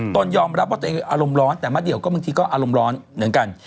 ตนยอมรับว่าตัวเองอารมณ์ร้อนแต่มะเดี่ยวก็บางทีก็อารมณ์ร้อนเหมือนกัน